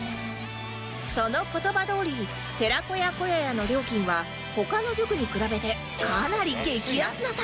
その言葉どおり寺子屋こややの料金は他の塾に比べてかなり激安なため